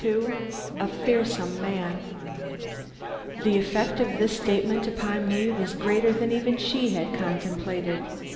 II "A FEARSOME MAN" The effect of this statement upon me was greater than even she had contemplated.